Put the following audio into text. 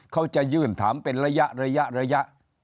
เขาจะยื่นถามเป็นระยะระยะระยะ